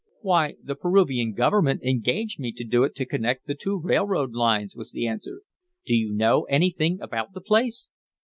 "Why, the Peruvian government engaged me to do it to connect the two railroad lines," was the answer. "Do you know anything about the place?"